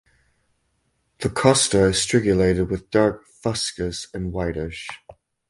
The costa is strigulated with dark fuscous and whitish.